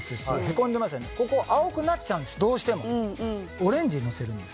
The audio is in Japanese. オレンジのせるんだ！